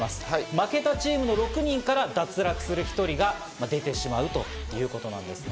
負けたチームの６人から脱落する１人が出てしまうということなんですね。